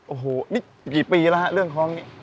โอ้โหนี่กี่ปีแล้วฮะเรื่องท้องนี้